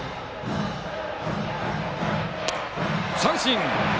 三振。